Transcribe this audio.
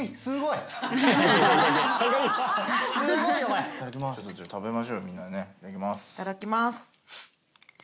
いただきます。